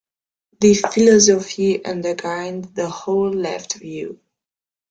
This philosophy undergirds the old Left's view.